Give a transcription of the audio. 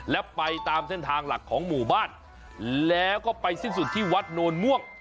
และไปตามเส้นทางหลักของหมู่บ้านแล้วก็ไปสิ้นสุดที่วัดโนนม่วง